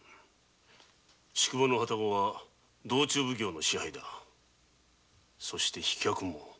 宿場のハタゴは道中奉行の支配だそして飛脚も！？